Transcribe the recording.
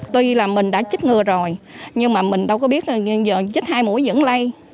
tuy là mình đã chích ngừa rồi nhưng mà mình đâu có biết là chít hai mũi vẫn lây